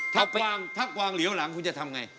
ถ้ากวางเหลียวหลังคุณจะทำไง